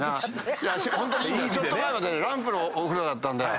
ホントにちょっと前までねランプのお風呂だったんだよ。